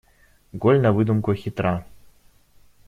Голь на выдумку хитра.